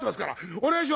お願いしますよ」。